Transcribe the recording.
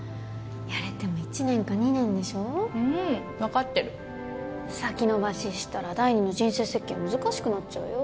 やれても１年か２年でしょうん分かってる先延ばししたら第２の人生設計難しくなっちゃうよ